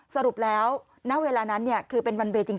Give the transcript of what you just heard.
สรุปแล้วณเวลานั้นคือเป็นวันเวย์จริง